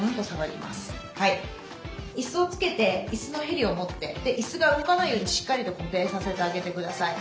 いすをつけていすのへりを持っていすが動かないようにしっかりと固定させてあげて下さい。